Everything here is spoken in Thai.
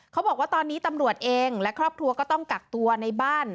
เขาบอกว่าตอนนี้ตำรวจเองและครอบครัวก็ต้องกักตัวในบ้าน